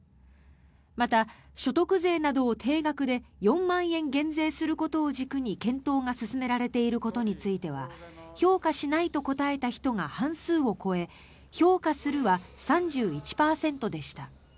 また、所得税などを定額で４万円減税することを軸に検討が進められていることについては評価しないと答えた人が半数を超え評価するは３１％でした。